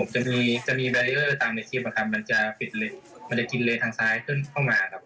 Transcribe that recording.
จะมีบารีเออร์ตามในคลิปมันจะกินเลนทางซ้ายเข้ามา